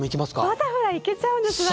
バタフライいけちゃうんです私。